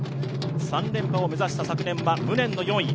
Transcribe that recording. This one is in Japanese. ３連覇を目指した昨年は無念の４位。